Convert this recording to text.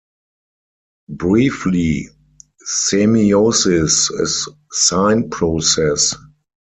Briefly - semiosis is sign process.